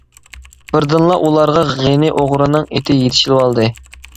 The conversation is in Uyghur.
بىردىنلا ئۇلارغا غېنى ئوغرىنىڭ ئېتى يېتىشىۋالدى.